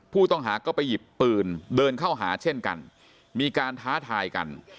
ผู้ต้องหาก็ไปหยิบปืนเดินเข้าหาเช่นกันมีการท้าทายกัน